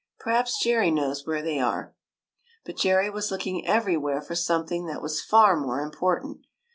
Perhaps Jerry knows where they are." But Jerry was looking everywhere for some thing that was far more important.